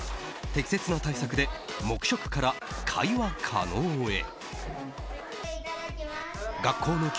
適切な対応で黙食から会話可能へ。